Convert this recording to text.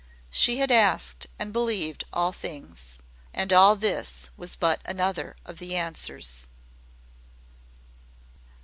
She had asked and believed all things and all this was but another of the Answers.